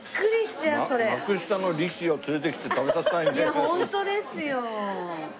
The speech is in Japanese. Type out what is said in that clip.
いやホントですよ。